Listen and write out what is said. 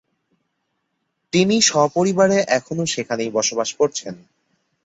তিনি সপরিবারে এখনও সেখানেই বসবাস করছেন।